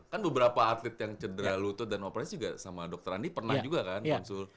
kan beberapa atlet yang cedera lutut dan operasi juga sama dokter andi pernah juga kan muncul